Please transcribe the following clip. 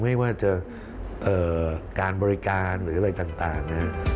ไม่ว่าจะการบริการหรืออะไรต่าง